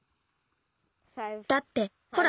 だってほら